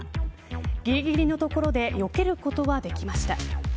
ぎりぎりのところでよけることはできました。